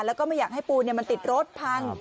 แล้วก็ไม่อยากให้ปูนมันติดรถพัง